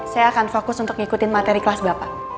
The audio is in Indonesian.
saya akan fokus untuk ngikutin materi kelas bapak